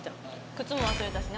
靴も忘れたしね。